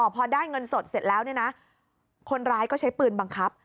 พอได้เงินสดเสร็จแล้วเนี่ยนะคนร้ายก็ใช้ปืนบังคับ